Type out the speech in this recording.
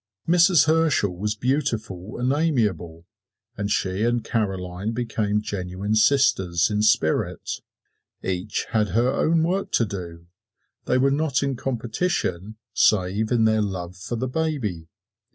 Mrs. Herschel was beautiful and amiable, and she and Caroline became genuine sisters in spirit. Each had her own work to do; they were not in competition save in their love for the baby.